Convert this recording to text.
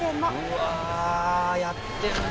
うわやってんな。